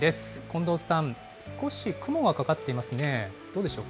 近藤さん、少し雲がかかっていますね。